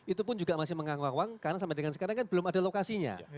itu pun juga masih menganga awang karena sampai dengan sekarang kan belum ada lokasinya